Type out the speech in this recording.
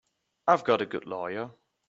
I've got a good lawyer.